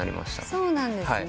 そうなんですね。